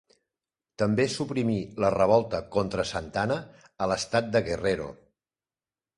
També suprimí la revolta contra Santa Anna a l'estat de Guerrero.